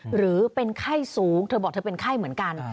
หรือเป็นไข้สูงเธอบอกเธอเป็นไข้เหมือนกัน